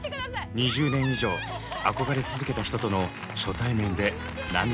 ２０年以上憧れ続けた人との初対面で涙。